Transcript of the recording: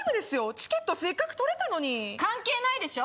チケットせっかく取れたのに関係ないでしょ